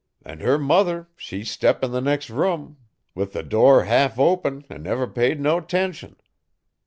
An' her mother she step' in the next room with the door half open an' never paid no 'tention.